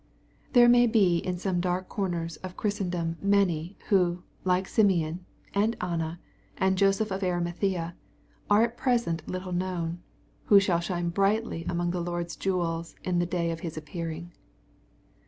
There may be in some dark corners of Christendom many, who, like Simeon, and Anna, and Joseph of ArimathaBa, are at present little known, who shall shine brightly among the Lord's jewels in the day of His appearing.